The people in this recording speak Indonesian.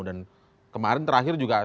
dan kemarin terakhir juga